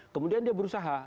kemudian dia berusaha